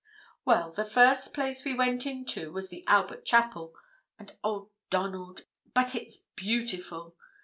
"Well, the first place we went into was the Albert Chapel; and oh, Donald, but it's beautiful!